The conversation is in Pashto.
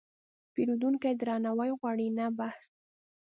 پیرودونکی درناوی غواړي، نه بحث.